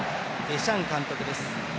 デシャン監督です。